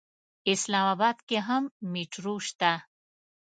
اسلام اباد کې هم مېټرو شته.